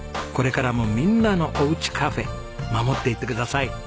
これからもみんなのおうちカフェ守っていってください。